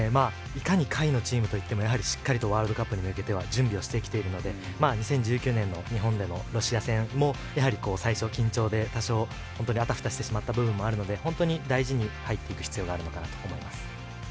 いかに下位のチームといってもしっかりワールドカップに向けて準備をしてきているので２０１９年の日本でのロシア戦も最初、緊張で多少あたふたした部分もあるので大事に入っていく必要があると思います。